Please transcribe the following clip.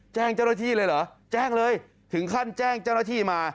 แจ้งเจ้าหน้าที่เลยเหรอแจ้งเลยถึงขั้นแจ้งเจ้าหน้าที่มา